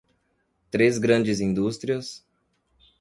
Três grandes indústrias